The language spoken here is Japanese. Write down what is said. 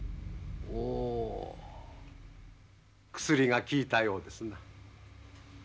薬が効いたようですな。